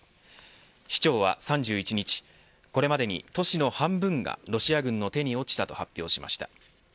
市長は３１日これまでに都市の半分がロシア軍の手に落ちたと発表しました。